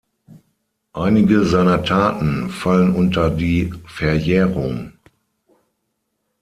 Einige seiner Taten fallen unter die Verjährung.